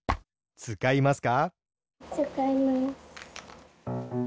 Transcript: つかいます。